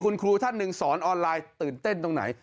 คุณครูท่านหนึ่งสอนออนไลน์ตื่นเต้นตรงไหน